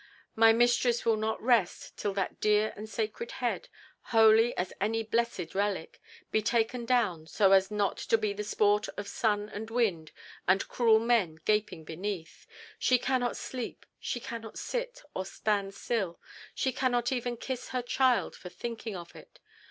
"My mistress will not rest till that dear and sacred head, holy as any blessed relic, be taken down so as not to be the sport of sun and wind, and cruel men gaping beneath. She cannot sleep, she cannot sit or stand still, she cannot even kiss her child for thinking of it.